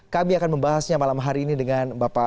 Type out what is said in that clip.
kami akan membahasnya malam hari ini dengan bapak